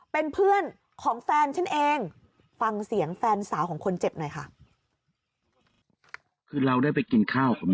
เป็นเพื่อนของแฟนฉันเองฟังเสียงแฟนสาวของคนเจ็บหน่อยค่ะ